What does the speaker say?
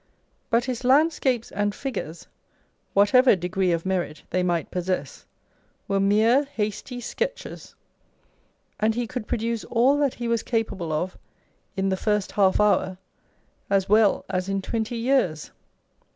But liis landscapes and figures (whatever degree of merit they might possess) were mere hasty sketches ; and he could produce all that he was capable of, in the first half hour, as well as in twenty years.